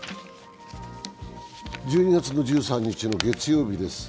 １２月１３日の月曜日です。